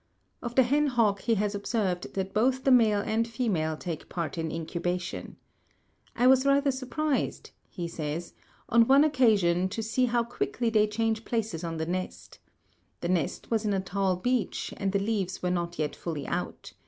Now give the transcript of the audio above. Of the hen hawk he has observed that both the male and female take part in incubation. "I was rather surprised," he says, "on one occasion, to see how quickly they change places on the nest. The nest was in a tall beech, and the leaves were not yet fully out.